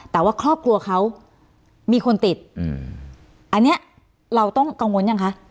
แต่ว่าครอบครัวเขามีคนติดอืมอันเนี้ยเราต้องกังวลยังคะ